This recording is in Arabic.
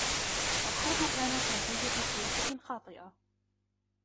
الحرب كانت نتيجةُ سياسةٍ خاطئة.